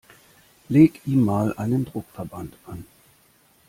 Leg ihm mal einen Druckverband an!